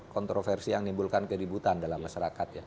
kontroversi yang menimbulkan keributan dalam masyarakat ya